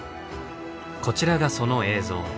こちらがその映像。